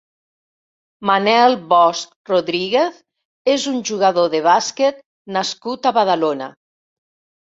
Manel Bosch Rodríguez és un jugador de bàsquet nascut a Badalona.